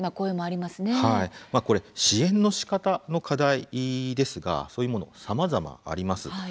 これ支援のしかたの課題ですがそういうものもさまざまあります。